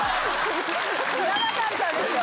知らなかったですよ。